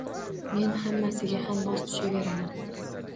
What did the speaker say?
— Men hammasiga ham mos tushaveraman.